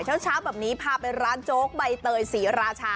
เช้าแบบนี้พาไปร้านโจ๊กใบเตยศรีราชา